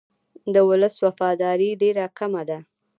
د ولس وفاداري ډېره کمه ده.